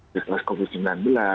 di kelas covid sembilan belas